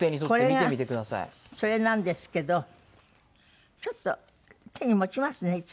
これがそれなんですけどちょっと手に持ちますね。